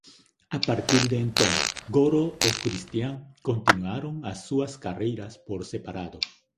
A partir de entón Goro e Christian continuaron as súas carreiras por separado.